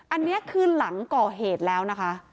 อันนี้คือหลังก่อเหตุแล้วนะคะ